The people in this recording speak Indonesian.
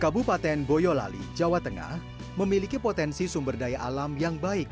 kabupaten boyolali jawa tengah memiliki potensi sumber daya alam yang baik